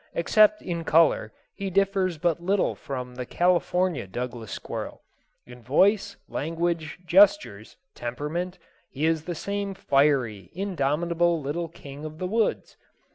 Except in color he differs but little from the California Douglas squirrel. In voice, language, gestures, temperament, he is the same fiery, indomitable little king of the woods.